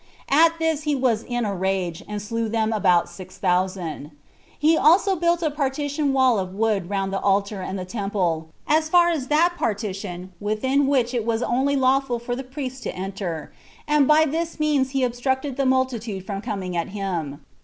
At this he was in a rage, and slew of them about six thousand. He also built a partition wall of wood round the altar and the temple, as far as that partition within which it was only lawful for the priests to enter; and by this means he obstructed the multitude from coming at him.